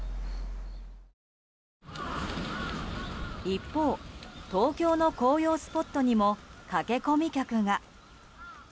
一方、東京の紅葉スポットにも駆け込み客が。